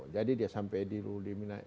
jadi dia sampai di luli minasaslasan